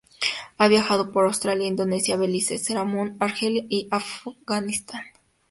Ha viajado por Australia, Indonesia, Belice, Camerún, Argelia y Afganistán.